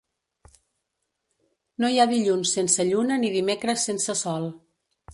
No hi ha dilluns sense lluna ni dimecres sense sol.